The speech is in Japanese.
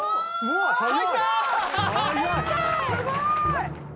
すごい！